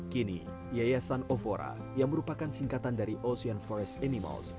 kini yayasan ovora yang merupakan singkatan dari ocean forest animals